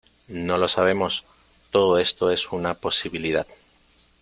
no lo sabemos. todo esto es una posibilidad